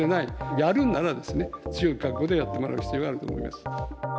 やるんならですね、強い覚悟でやってもらう必要があると思います。